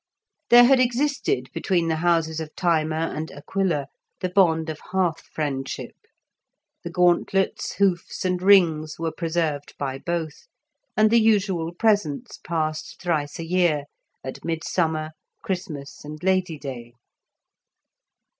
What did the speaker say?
There had existed between the houses of Thyma and Aquila the bond of hearth friendship; the gauntlets, hoofs, and rings were preserved by both, and the usual presents passed thrice a year, at midsummer, Christmas, and Lady day.